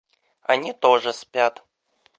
Они тоже спят.